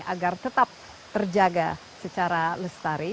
agar tetap terjaga secara lestari